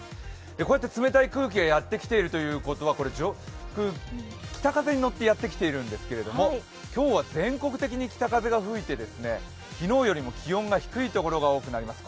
こうやって冷たい空気がやってきているということは、北風に乗ってやってきているんですけども、今日は全国的に北風が吹いて昨日よりも気温が低いところが多くなります。